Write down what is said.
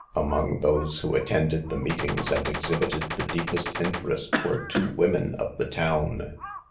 Among those who attended the meetings and exhibited the deepest interest, were two women of the town.